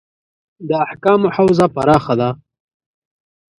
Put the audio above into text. د احکامو حوزه پراخه ده.